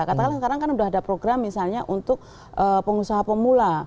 katakanlah sekarang kan sudah ada program misalnya untuk pengusaha pemula